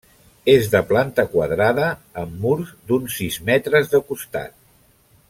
És de planta quadrada, amb murs d'uns sis metres de costat.